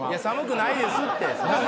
「寒くないです」って。